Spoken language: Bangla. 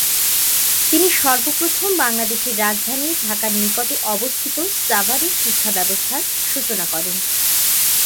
তিনি সর্বপ্রথম বাংলাদেশের রাজধানী ঢাকার নিকটে অবস্থিত সাভারে শিক্ষা ব্যবস্থার সূচনা করেন।